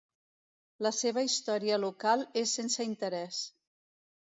La seva història local és sense interès.